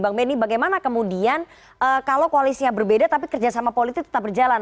bang benny bagaimana kemudian kalau koalisnya berbeda tapi kerjasama politik tetap berjalan